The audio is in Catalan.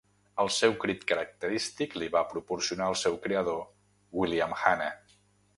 El seu crit característic li va proporcionar el seu creador William Hanna.